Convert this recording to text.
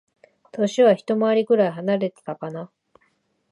歳はひと回りくらい離れてたかな。